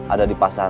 ada di pasar